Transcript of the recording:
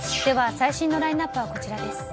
最新のラインアップはこちらです。